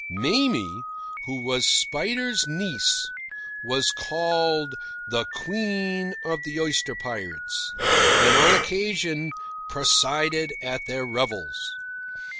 Mamie, who was Spider's niece, was called the Queen of the Oyster Pirates, and, on occasion, presided at their revels.